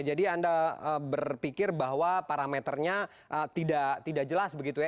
jadi anda berpikir bahwa parameternya tidak jelas begitu ya